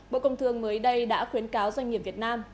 bộ công thương mới đây đã khuyến cáo doanh nghiệp việt nam